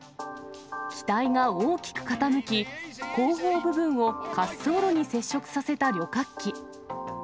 機体が大きく傾き、後方部分を滑走路に接触させた旅客機。